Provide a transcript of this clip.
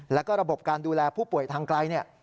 แล้วก็ระบบการดูแลผู้ป่วยทางไกล